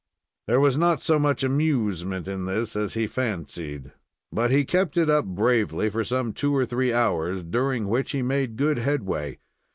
There was not so much amusement in this as he fancied, but he kept it up bravely for some two or three hours, during which he made good headway.